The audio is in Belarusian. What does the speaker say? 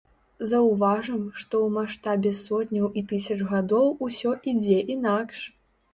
Заўважым, што ў маштабе сотняў і тысяч гадоў усё ідзе інакш.